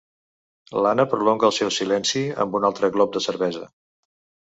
L'Anna prolonga el seu silenci amb un altre glop de cervesa.